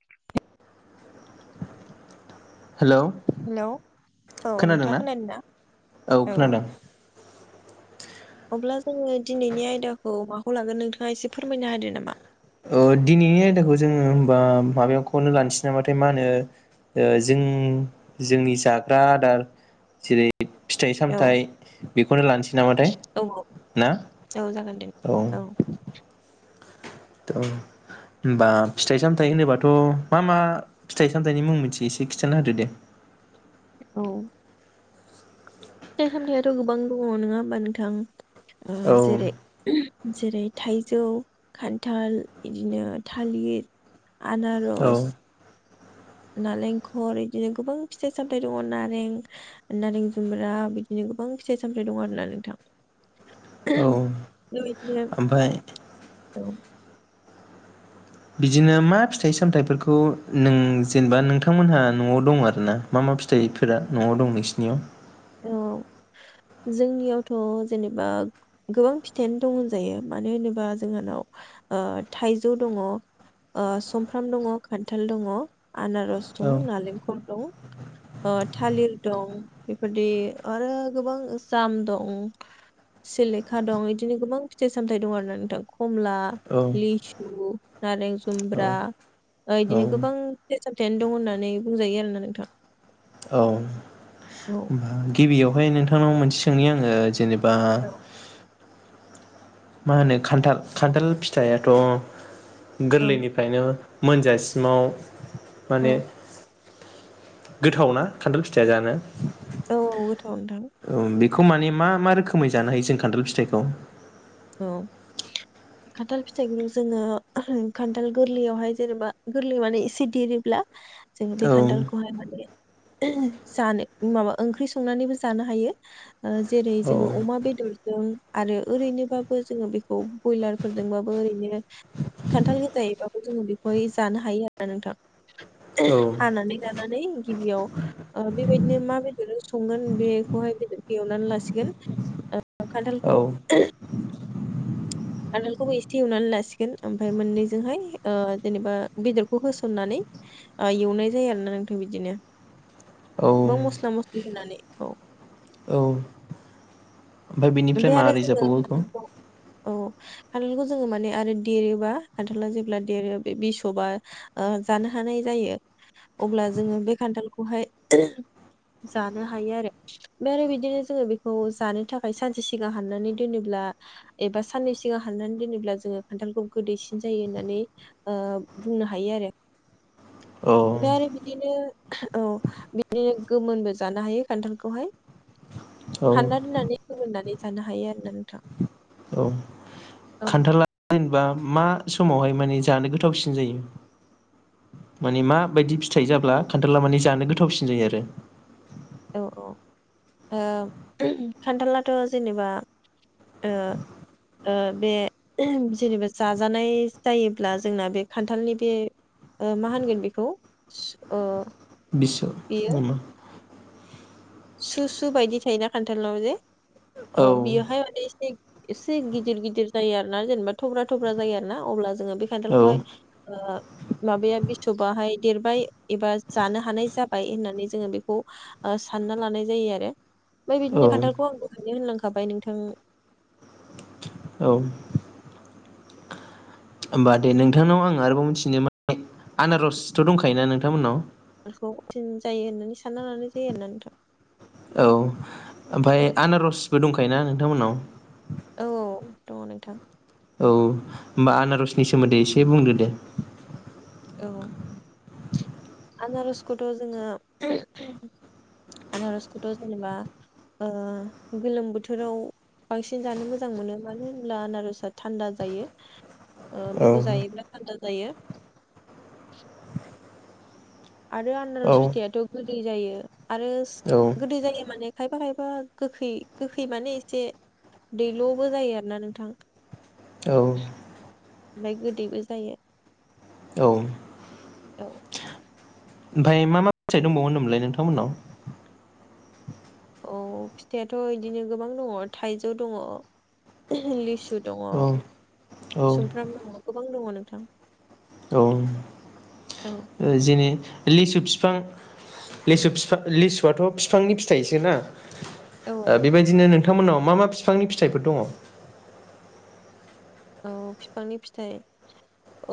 [inaudible] Hello hello खोनादों ना? औ खोनादों। अब्ला जोङो दिनैनि आयदाखौ माखौ लागोन नोंथाङा एसे फोरमायनो होदो नामा। ओ दिनैनि आयदाखौ जोङो होमबा माबायाव खौनो लानोसै नामाथाय मा होनो जों जोंनि जाग्रा आदार जेरै फिथाइ औ सामथाइ बेखौनो लानोसै नामाथाय औ ना? औ जागोन दे औ। थ' होमबा फिथाइ सामथाइ होनोबाथ' मा मा फिथाइ सामथाइनि मुं मिनथियो एसे खिन्थाना होदो दे। औ। फिथाइ सामथायाथ' गोबां दङ नङा होमबा नोंथां? ओ औ जेरै जेरै थाइजौ खान्थाल, बिदिनो थालिर, औ आनारस, नारेंखल बिदिनो गोबां फिथाइ सामथाय दङ नारें नारें जुमब्रा बिदिनो गोबां फिथाइ सामथाय दं आरोना नोंथां। औ बेबायदिनो ओमफ्राय औ। बिदिनो मा फिथाइ सामथाइफोरखौ नों जेनेबा नोंथांमोनहा न'आव दं आरो ना मा मा फिथाइफोरा न'आव दं नोंसिनियाव? औ जोंनियावथ' जेनेबा गोबां फिथाइआनो दं होनजायो। मानो होनोबा जोंहानाव ओ थाइजौ दङ, सुमफ्राम दङ, खान्थाल दङ। आनारस औ दं नालें खर दं, थालिर दं, बेदि आरो गोबां जाम दं, सिलेखा दं बिदिनो गोबां फिथाइ सामथाइ दं आरोना नोंथां। कमला, औ लिसु, नारें औ जुमब्रा, औ बिदिनो गोबां फिथाइ सामथायानो दं होननानै बुंजायो आरोना नोंथां होमबा औ। गिबियावहाय नोंथांनाव मोनसे सोंनि आङो जेने बा औ मा होनो खान्थाल खान्थाल फिथाइ आथ' औ गोरलैनिफ्रायनो मोनजासिमाव औ माने गोथाव ना खान्थाल फिथाइया जानो? औ औ गो औ बे खौ माने मा मा रोखोमै जानो हायो जों खान्थाल फिथाइखौ? औ खान्थाल फिथाइखौनो जोङो खान्थाल गोरलैयावहाय जेनेबा गोरलै माने एसे देरोब्ला जों बे औ खान्थालखौहाय माने जानो माबा ओंख्रि संनानैबो जानो हायो। ओ जेरै औ जोङो अमा बेदरजों आरो ओरैनोबा बो जोङो बेखौ ब्रयलारफोरजोंबाबो ओरैनो खान्थाल गोजायैबाबो जोङो बेखौहाय जानो हायो आरो नोंथां। औ हानानै लानानै गिबियाव ओ बेबायदिनो मा बेदर संगोन बेखौहाय बेदर एवनानै लासिगोन। ओ औ खान्थालखौ खान्थालखौबो एसे एवनानै लासिगोन ओमफ्राय मोननैजोंहाय ओ जेनेबा बेदरखौ होसननानै ओ एवनाय जायो आरोना नोंथां बिदिनो। औ गोबां मस्ला मस्लि होनानै औ। ओमफ्राय बेनिफ्राय आरो मारै जोङो जाबबावो बेखौ? खान्थालखौ औ खान्थालखौ जोङो माने आरो देरोबा खान्थाला जेब्ला देरो बे बिसबा ओ जानो हानाय जायो अब्ला जोङो बे खान्थालखौहाय जानो हायो आरो। ओमफ्राय आरो बिदिनो जोङो बेखौ जानो था खाय सानसे सिगां हाननानै दोनोब्ला एबा साननै सिगां हाननानै दोनोब्ला जोङो खान्थालखौ गोदैसिन जायो होननानै ओ बुंनो हायो आरो। औ ओमफ्राय आरो बिदिनो औ बिदिनो गोमोनबो जानो हायो खान्थालखौहाय। औ हानना दोननानै फोमोननानै जानो हायो आरोना नोंथां। औ औ खान्थाला जेनेबा मा समावहाय माने जानो गोथावसिन जायो माने, माबायदि फिथाइ जाब्ला खान्थाला माने जानो गोथावसिन जायो आरो। औ औ ओ खान्थालाथ' जेनेबा ओ ओ बे जेनेबा जाजानाय जायोब्ला जोंना बे खान्थालनि बे ओ मा होनगोन बेखौ ओ बेयो [unintelligible] सु सु बायदि थायोना खान्थालनाव जे औ अ बियोहाय माने एसे गिदिर गिदिर जायो आरो ना जेनेबा थब्रा थब्रा जायो आरो ना अब्ला जोङो बे औ खान्थालखौहाय ओ माबाया बिसबाहाय देरबाय एबा जानो हानाय जाबाय होननानै जोङो बेखौ सानना लानाय जायो आरो ओमफ्राय औ बिदिनो खान्थालखौ आं दहायनो होनलांखाबाय नोंथां। होमबा होमबा दे नोंथांनाव आं आरोबाव मिथिनो आनारसथ' दंखायोना नोंथांमोननाव? गोथावसिन जायो होननानै सानना लानाय जायो होना नथां। ओमफफ्राय आनारसबो दंख खायो ना नोंथांमोननाव। औ दङ नोंथां। औ होमबा आनारसनि सोमोन्दै एसे बुंदो दे। औ। आनारसखौथ' जोङो आनारसखौथ' जेनेबा ओ गोलोम बोथोराव बांसिन जानो मोजां मोनो मानो होनब्ला आनारसआ थान्दा जायो औ बेखौ जायोब्ला थान्दा जायो। आरो आननार फिथायाथ' गोदै जायो आरो औ गोदै जायो माने खायफा खायफा गोखै गोखै माने एसे दैल'बो जायो आरोना नोंथां औ ओमफ्राय गोदैबो जायो। औ। ओमफफ्राय मा मा फिथाइ दंबावो होनदोंमोनलाय नोंथांमोननाव। औ फिथाइयाथ' बिदिनो गोबां दङ, थाइजौ दङ, लिसु दङ, औ औ सुमफ्राम दङ गोबां दङ नोंथां औ। जेननि लिसु बिफां लिसु बिफां लिसुआथ' बिफांनि फिथाइसोना। औ ओ बेबायदिनो नों नोंथांमोनाव मा मा बिफांनि फिथाइफोर दङ। औ बिफांनि फिथाइ,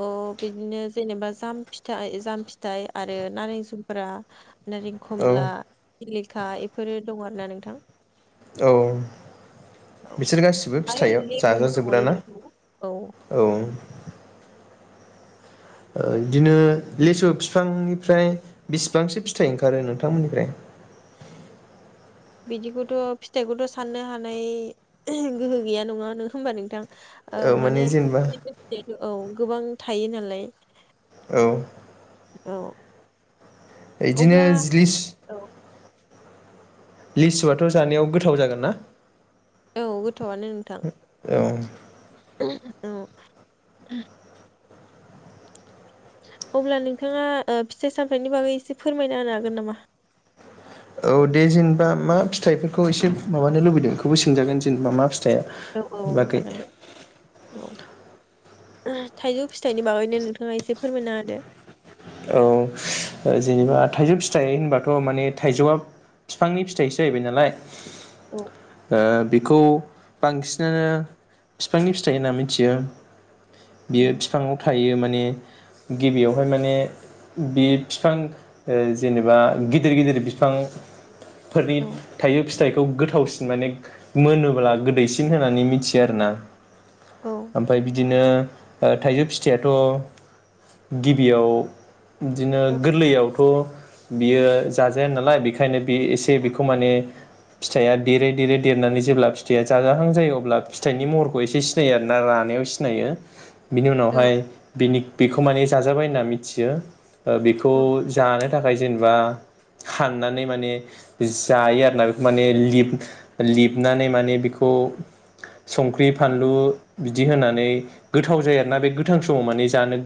औ बिदिनो जेनेबा जाम फिथाइ जाम, फिथाइ आरो नारें जुमब्रा, नारें खमला सिलिखा इफोरो दं आरो ना नोंथां। औ औ बिसोर गासिबो आरो फिथाइयाव लेबुबो दङ जाजाजोबग्राना? लेबु औ औ। ओ बिदिनो लेसु बिफांनिफ्राय बिसिबांसो फिथाइ ओंखारो नोंथांमोननिफ्राय? बिदिखौथ' फिथाइखौथ' साननो हानाय गोहो गैया नङा नों होमबा नोंथां। ओ औ माने जेनेबा औ गोबां थायो नालाय। औ। औ। बिदिनो अब्ला जिलिस औ लिस्टआथ' जानायाव गोथाव जागोन ना? औ गोथावआनो नोंथां। औ। औ। अब्ला नोंथाङा ओ फिथाइ सामथायनि बागै एसे फोरमायना होनो हागोन नामा? औ दे जेनेबा मा फिथाइफोरखौ एसे माबानो लुबैदों बेखौबो सोंजागोन जेनेबा मा फिथाया औ औ बाखै जागोन दे औ थाइजौ फिथाइनि बागैनो नोंथाङा एसे फोरमायनो हादो। औ जेनेबा थाइजौ फिथाइ होनबाथ माने थाइजौआ बिफांनि फिथाइसो जाहैबाय नालाय। औ। ओ बेखौ बांसिननो बिफांनि फिथाइ होनना मिथियो। बियो उम बिफाङाव थायो माने गिबियावहाय माने बि बिफां ओ जेनेबा गिदिर गिदिर बिफां फोरनि औ थायजौ फिथाइखौ गोथावसिन माने मोनोब्ला गोदैसिन होननानै मिथियो आरो ना। औ ओमफाय बिदिनो ओ थाइजौ फिथाइयाथ' गिबियाव बिदिनो औ गोरलैयावथ बियो जाजाया नालाय बेखायनो बे एसे बेखौ माने फिथाइया देरै देरै देरनानै जेब्ला फिथाइया जाजाहां जायो अब्ला फिथाइनि महरखौ एसे सिनायो आरोना रानायाव सिनायो। बिनि औ औ उनावहाय बिनि बेखौ माने जाजाबाय होनना मिथियो ओ खौ औ जानो थाखाय जेनेबा हाननानै माने जायो आरोना बेखौ माने लिब लिबनानै माने बेखौ संख्रि फानलु बि बिदि होनानै गोथाव जायो आरोना बे गोथां समाव माने जानो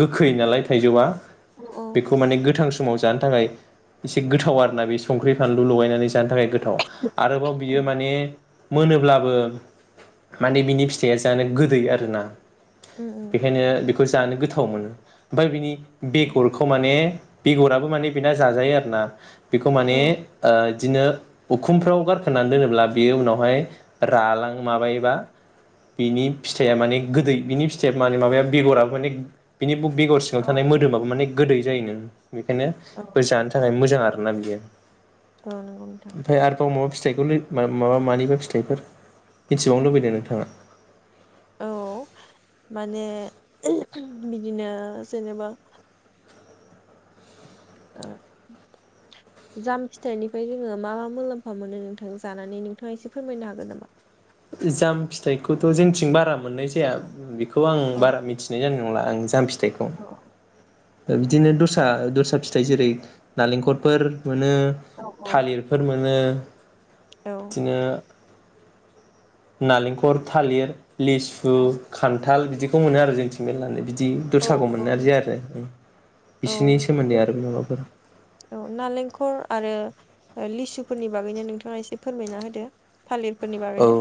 गोखै नालाय थाइजौआ बेखौ माने गोथां समाव जानो थाखाय एसे गोथाव आरोना बे संख्रि फानलु लगायनानै जानो थाखाय थाव आरोबाव औ बियो माने मोनोब्लाबो माने बिनि फिथाइआ जानो गोदै आरोना। उम उम बेखायनो बेखौ जानो गोथाव गोथाव मोनो ओमफ्राइ बिनि औ बेगर खौ माने बेगराबो माने बेना जाजायो आरोना। बेखौ माने औ ओ बिदिनो उखुमफ्राव गारखोनानै दोनोब्ला बेयो उनावहाय रालां माबायोबा बिनि फिथाइया औ माने गोदै बिनि फिथाइ मे माबाया बेगराबो माने बिनि बेगर सिङाव थानाय मोदोमाबो माने जायोनो। बेखायनो औ बे जानो थाखाय मोजां आरो नाग गैया। औ नंगौ नोंथां ओमफ्राय आरोबाव माबा फि फिथायाइखौ माबा मानिबा फिथाइफोर मिथिबावनो लुबैदों नोंथाङा? औ माने बिदिनो जेनेबा ओ जाम फिथाइनिफ्राय जोङो मा मा मुलाम्फा मोनो नोंथां जानानै नोंथाङा एसे फोरमायनो हागोन नामा? जाम फिथाइखौथ जोंथिं बारा मोननाय जाया बेख खौ आं औ बारा मिथिनाय जाना नंला आं जाम फि थायखौ। औ बिदिनो दस्रा दस्रा फिथाइ जेरै नालेंखलफोर मोनो औ थालिरफोर मोनो। औ [inaudible] बिदिनो नालेंखल, थालिर लिसु, औ खान्थाल बिदिखौ मोनो आरो जोंथि मेललानो बिद दि औ दस्राखौ मोननाय जि आरो बिसोरनि औ सोमोन्दै आरो माबाफोर औ नालेंखर आरो लिसुफोरनि बागैनो नोंथाङा एसे फोरमायना होदो। थालिरफोरनि औ बागैनो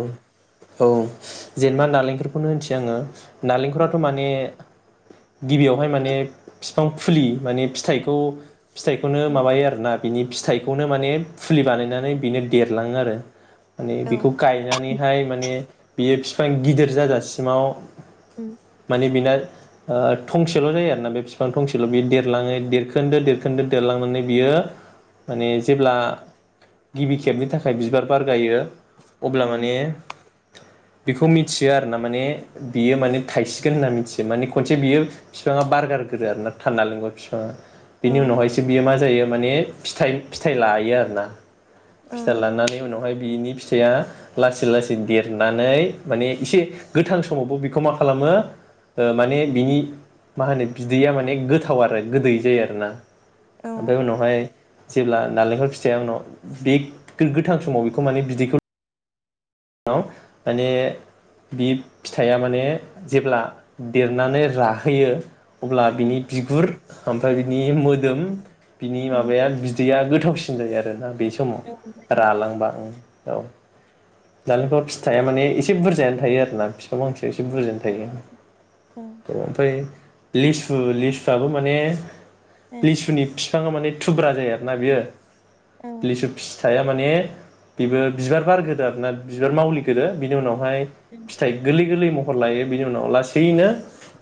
औ औ जेनेबा नालेंखरखौनो जोङो नालेंखराथ' माने गिबियावहाय माने फिफां फुलि माने फिथाइखौ फिथाइखौनो उम माबायो आरोना। बिनि फिथाइखौनो माने फुलि बानायनानै बिनो देरलाङो आरो। माने गायनानैहाय माने बियो फिफां गिदिर जाजासिमाव माने बिना थंसेल' जायो आरोना बे बिफां थंसेल बियो देरलाङै देरखोन्दो देरखोन्दो देरलांनानै बियो माने जेब्ला गिबि खेबनि थाखाय बिबार बारगायो अब्ला उम माने बेखौ मिथियो आरो ना माने बियो माने थाइसिगोन होनना मिथियो माने खनसे बियो बिफाङा बारगार गोरो आरो ना थानना नालेंखर बिफाङा। औ बिनि उनावहायसो बियो मा जायो माने फिथाग-फिथाइ लायो आरो ना। औ फिथाय नंगौ लानानै उनावहाय बिनि फिथाइआ लासै लासै देरनानै माने एसे गोथां समावबो बेखौ मा खालामो माने बिनि मा होनो बिदैया माने गोथाव आरो गोदै जायो आरोना। औ ओमफाय उनावहाय जेब्ला नारेंखल फिथाइख उनाव बे गोथां समाव बेखौ माने बिदैखौ [unintelligible] माने बि फिथाइया माने जेब्ला देरनानै राहोयो अब्ला उम बिनि बिगुर ओमफ्राय बिनि मोदोम बिनि उम माबाया बिदैया गोथावसिन जायो आरो ना। बे औ समाव दे रालांबा ओं औ नालेंखर फिथाइया माने एसे बुरजायानो थायो आरोना फिफां फांसे ए -एसे बुजिनो औ थायो औ ओमफ्राय लेसु -लेसुवाबो माने औ लेसुनि [unintelligible] बिफाङा माने थुब्रा जायो आरो ना बियो। औ लेसु [unintelligible] [unintelligible] माने बेबो बिबार बार ग्रोयो आरो ना बिबार मावलिगोदो बिनि उनाव [unintelligible] फिथाइ [unintelligible] गोलै महर लायो बिनि उनाव लासैनो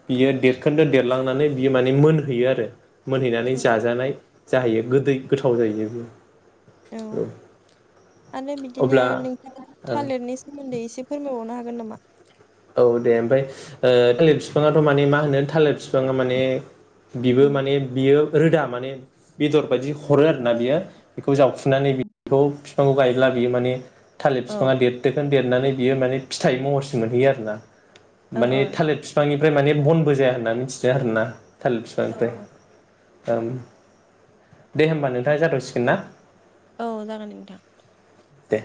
बियो देरखोन्दो देरलांनानै बियो माने मोनहैयो आरो। मोनहैनानै औ जाजानाय जाहैयो। गोदै गोथाव जायो। औ आरो बिदिनो अब्ला नोंथाङा ओं थालिरनि सोमोन्दै एसे फोरमायबावनो [unintelligible] हागोन नामा? औ दे ओमफ्राय ओ थालिर फिफाङाथ' माने मा होनो थालिर फिफाङा माने बिबो उम माने बियो रोदा माने बेदर बायदि हरो आरोना बियो जावखुनानै बेखौ फिफांखौ गायोब्ला बियो माने थालिर औ फिफाङा देरदोखोन देर देरनानै बियो माने फिथाइ महरसिम मोनहैयो आरो [unintelligible] औ माने थालिर बिफांनि ओमफ्राय माने बनबो जाया होननानै मिथिदों आरोना थालिर फिफांनिफ्राय ओम दे होमबा नोंथाङा जाथ'सिगोन ना औ जागोन नोंथां। दे